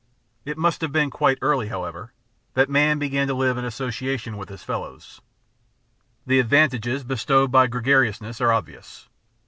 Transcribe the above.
It must have been quite early^ however, that man began to live in association with his fellows. The advantages bestowed by gregariousness are obvious.